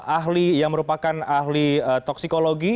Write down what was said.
ahli yang merupakan ahli toksikologi